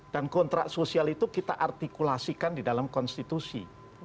dan kontrak sosial itu kita artikulasikan di dalam konstitusi